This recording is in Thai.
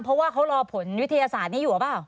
เพราะว่าเขารอผลวิทยาศาสตร์นี้อยู่หรือเปล่า